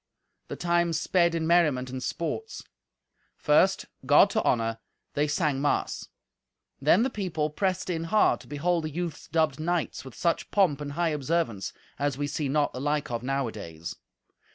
The time sped in merriment and sports. First, God to honour, they sang mass. Then the people pressed in hard to behold the youths dubbed knights with such pomp and high observance as we see not the like of nowadays.